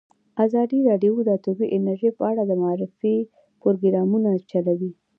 ازادي راډیو د اټومي انرژي په اړه د معارفې پروګرامونه چلولي.